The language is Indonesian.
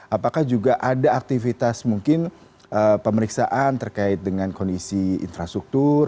apakah juga ada aktivitas mungkin pemeriksaan terkait dengan kondisi infrastruktur